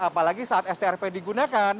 apalagi saat strp digunakan